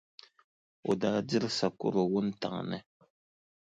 O daa diri sakɔro wuntaŋ ni.